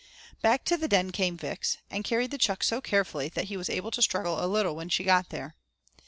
Back to the den came Vix, and carried the chuck so carefully that he was able to struggle a little when she got there.